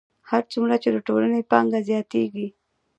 هر څومره چې د ټولنې پانګه زیاتېږي